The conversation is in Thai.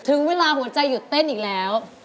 ถึงเวลาหัวใจหยุดเต้นอีกแล้ว